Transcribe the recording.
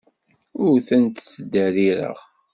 Ur ten-ttderrireɣ.